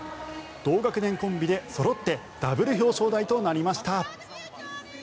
同学年コンビでそろってダブル表彰台となりました。